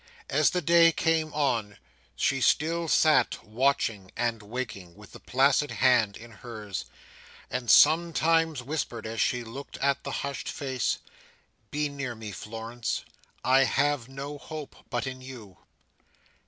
As the day came on she still sat watching and waking, with the placid hand in hers, and sometimes whispered, as she looked at the hushed face, "Be near me, Florence. I have no hope but in you!"